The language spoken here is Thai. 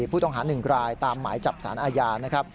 ผู้ต้องหาหนึ่งกรายตามหมายจับสารอาญา